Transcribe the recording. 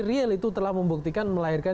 real itu telah membuktikan melahirkan